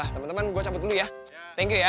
temen temen gue cabut dulu ya thank you ya